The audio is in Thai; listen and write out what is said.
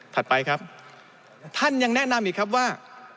ไปครับท่านยังแนะนำอีกครับว่า